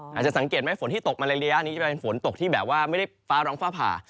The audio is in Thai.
อาจจะสังเกตไหมฝนที่ตกมาในระยะนี้จะเป็นฝนตกที่แบบว่าไม่ได้ฟ้าร้องฟ้าผ่า